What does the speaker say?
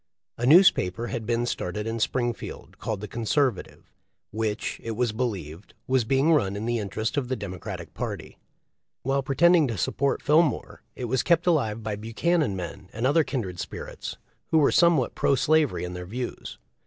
A newspaper had been started in Springfield called the Conservative, which, it was believed, was being run in the interest of the Democratic party. While pretending to support Fillmore it was kept alive by Buchanan men and other kindred spirits, who were somewhat pro slavery in their views.